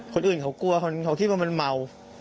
คนอื่นเขากลัวเขาคิดว่ามันเมา